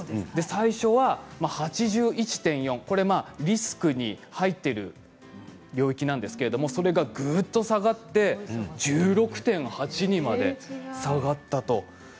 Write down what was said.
最初は８１．４リスクに入っている領域なんですけどそれがぐっと下がって１６．８まで下がったと。